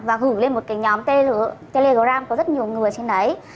và gửi lên một cái nhóm telegram có rất nhiều người trên đấy